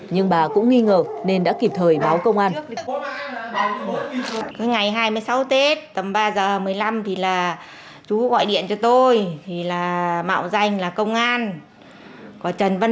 nhưng bà cũng nghi ngờ nên đã kịp thời báo công an